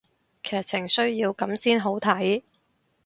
劇情需要噉先好睇